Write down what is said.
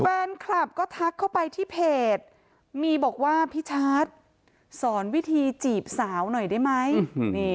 แฟนคลับก็ทักเข้าไปที่เพจมีบอกว่าพี่ชาร์จสอนวิธีจีบสาวหน่อยได้ไหม